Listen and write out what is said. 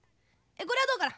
これはどうかな？